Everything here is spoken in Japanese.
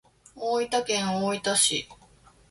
大分県大分市